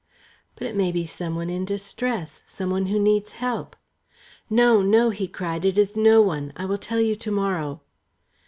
"But it may be some one in distress some one who needs help." "No, no," he cried; "it is no one. I will tell you to morrow."